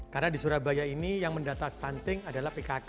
karena di surabaya ini yang mendata stunting adalah pkk